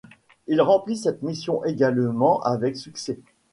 Il remplit cette mission également avec succès.